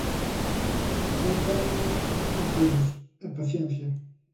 Moito ánimo a todos e paciencia.